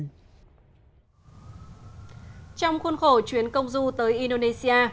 trong khuôn khổ chuyến công du tới indonesia